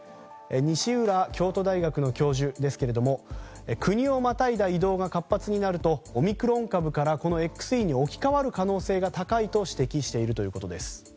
西浦京都大学教授ですが国をまたいだ移動が活発になるとオミクロン株からＸＥに置き換わる可能性が高いと指摘しているということです。